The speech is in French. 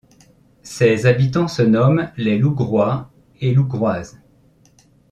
Ses habitants se nomment les Lougrois et Lougroises.